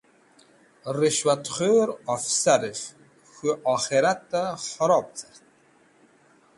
Rishwat Khur Afsarisht K̃hu Okhirate Kharob Caren